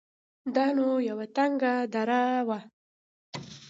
دا نو يوه تنگه دره وه.